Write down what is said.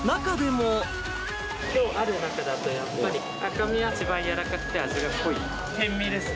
きょうある中だと、やっぱり赤身は一番柔らかくて味が濃い天身ですね。